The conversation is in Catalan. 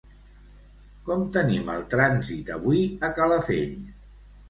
Com tenim el trànsit avui a Calafell?